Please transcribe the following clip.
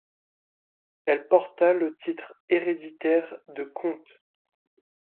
Elle porta le titre héréditaire de comte.